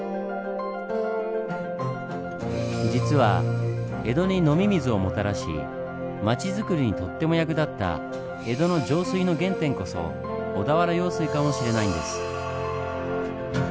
実は江戸に飲み水をもたらし町づくりにとっても役立った江戸の上水の原点こそ小田原用水かもしれないんです。